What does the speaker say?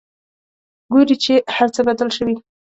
ګوري چې هرڅه بدل شوي.